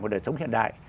của đời sống hiện đại